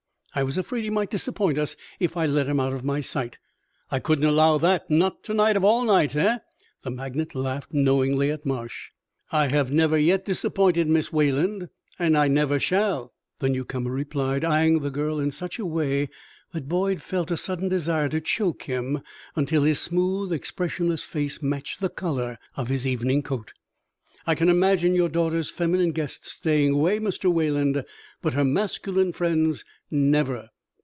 I was afraid he might disappoint us if I let him out of my sight. I couldn't allow that not to night of all nights, eh?" The magnate laughed knowingly at Marsh. "I have never yet disappointed Miss Wayland, and I never shall," the new comer replied, eying the girl in such a way that Boyd felt a sudden desire to choke him until his smooth, expressionless face matched the color of his evening coat. "I can imagine your daughter's feminine guests staying away, Mr. Wayland, but her masculine friends, never!"